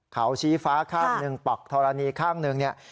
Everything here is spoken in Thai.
เขาชี้ฟ้าข้างหนึ่งปักธรณีข้างหนึ่งเนี่ย